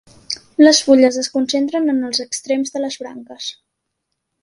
Les fulles es concentren en els extrems de les branques.